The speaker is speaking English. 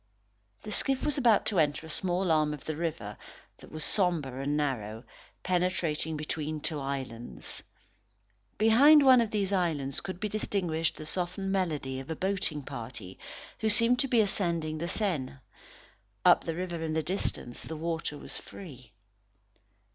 The skiff was about to enter a small arm of the river, that was sombre and narrow, penetrating between two islands. Behind one of these islands could be distinguished the softened melody of a boating party who seemed to be ascending the Seine. Up the river in the distance, the water was free.